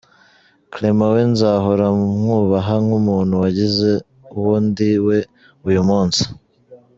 Clement we nzahora mwubaha nk’umuntu wangize uwo ndi we uyu munsi.